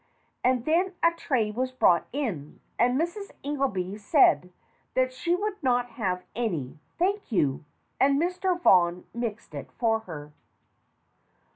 And then a tray was brought in, and Mrs. Ingelby said that she would not have any, thank you ; and Mr. Vaughan mixed it for her.